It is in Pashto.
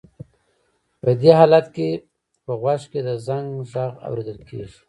په دې حالت کې په غوږ کې د زنګ غږ اورېدل کېږي.